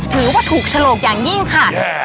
ถือว่าถูกฉลกอย่างยิ่งค่ะ